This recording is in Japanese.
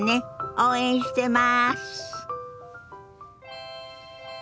応援してます。